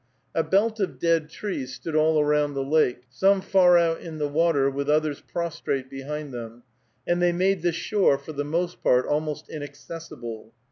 A belt of dead trees stood all around the lake, some far out in the water, with others prostrate behind them, and they made the shore, for the most part, almost inaccessible.